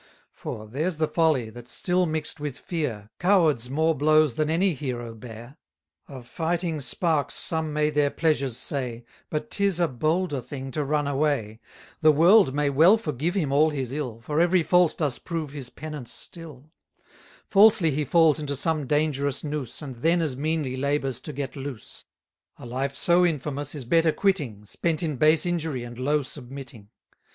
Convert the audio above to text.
For, there's the folly that's still mix'd with fear, Cowards more blows than any hero bear; Of fighting sparks some may their pleasures say, But 'tis a bolder thing to run away: The world may well forgive him all his ill, For every fault does prove his penance still: Falsely he falls into some dangerous noose, 250 And then as meanly labours to get loose; A life so infamous is better quitting, Spent in base injury and low submitting.